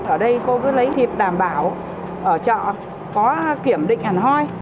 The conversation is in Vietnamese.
ở đây cô cứ lấy thịt đảm bảo ở chợ có kiểm định ẩn hoi